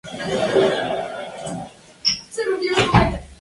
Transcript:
Se le atribuye la invención a Dr James Anderson Edimburgo.